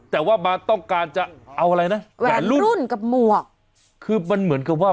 แต่ว่ามาต้องการจะเอาอะไรนะแหวนรุ่นรุ่นกับหมวกคือมันเหมือนกับว่า